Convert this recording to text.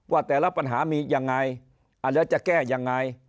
ว่าแต่ละปัญหามียังไงแล้วจะแก้ยังไง